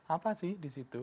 apa sih di situ